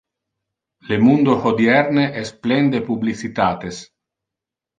Le mundo hodierne es plen de publicitates.